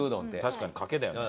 確かにかけだよね。